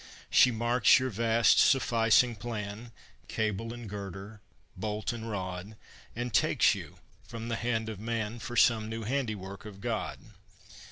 She marks your vast, sufficing plan, Cable and girder, bolt and rod, And takes you, from the hand of man, For some new handiwork of God.